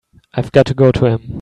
I've got to go to him.